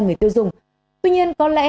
người tiêu dùng tuy nhiên có lẽ